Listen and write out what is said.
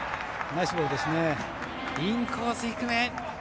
インコース、低め。